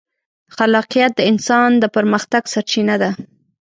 خلاقیت د انسان د پرمختګ سرچینه ده.